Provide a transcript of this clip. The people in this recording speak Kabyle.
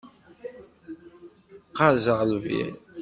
Qqazeɣ lbir.